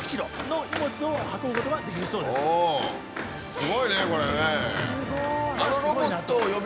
すごいねこれね！